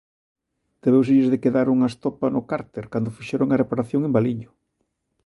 Debéuselles de quedar unha estopa no cárter, cando fixeron a reparación en Valiño.